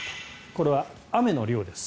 これは雨の量です。